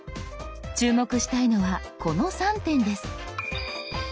注目したいのはこの３点です。